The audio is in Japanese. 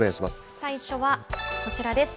最初はこちらです。